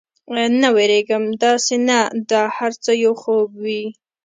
نه، وېرېږم، داسې نه دا هر څه یو خوب وي.